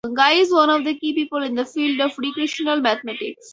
Guy is one of the key people in the field of recreational mathematics.